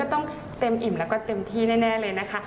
ต้องเต็มอิ่มแล้วก็เต็มที่แน่เลยนะคะ